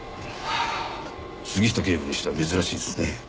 杉下警部にしては珍しいですね。